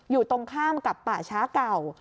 อยู่ตรงข้ามกับป่าช้าเก่า